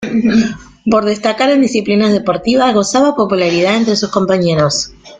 Por destacar en disciplinas deportivas gozaba popularidad entre sus compañeros.